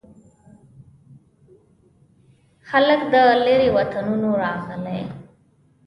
هلک د لیرو وطنونو راغلي